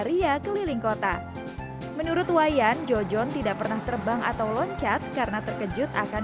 ria keliling kota menurut wayan jojone tidak pernah terbang atau loncat karena terkejut akan